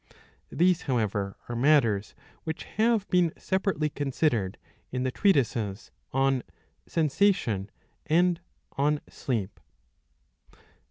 These however are matters which have been separately considered in the treatises on Sensation and on Sleep.